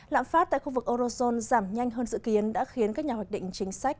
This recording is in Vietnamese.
lạm phát tại khu vực eurozone giảm nhanh hơn dự kiến đã khiến các nhà hoạch định chính sách